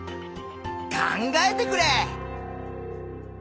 考えてくれ！